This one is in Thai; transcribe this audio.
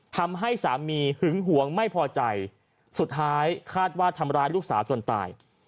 ทำให้สามีหึงหวงไม่พอใจสุดท้ายคาดว่าทำร้ายลูกสาวจนตาย